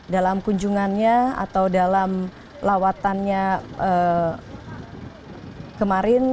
dalam kunjungannya atau dalam lawatannya kemarin